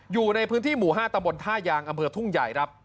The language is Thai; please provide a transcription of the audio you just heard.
อยู่ในพื้นที่หมู่๕ตำบลท่ายางอำเภอทุ่งใหญ่ครับ